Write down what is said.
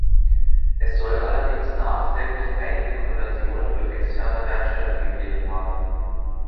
Es soll allerdings nachträglich einige Konversionen durch externe Werkstätten gegeben haben.